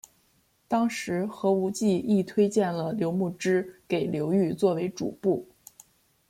当时何无忌亦推荐了刘穆之给刘裕作为主簿。